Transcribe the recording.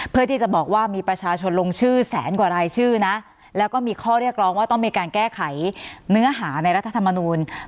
เพื่อที่จะบอกว่ามีประชาชนลงชื่อแสนกว่ารายชื่อนะแล้วก็มีข้อเรียกร้องว่าต้องมีการแก้ไขเนื้อหาในรัฐธรรมนูล